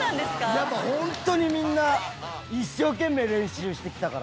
⁉やっぱホントにみんな一生懸命練習してきたから。